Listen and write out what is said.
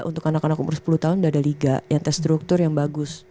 untuk anak anak umur sepuluh tahun udah ada liga yang terstruktur yang bagus